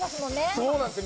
そうなんですよ。